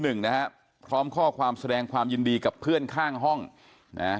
หนึ่งนะฮะพร้อมข้อความแสดงความยินดีกับเพื่อนข้างห้องนะฮะ